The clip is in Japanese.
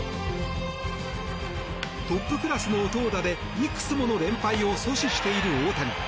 トップクラスの投打でいくつもの連敗を阻止している大谷。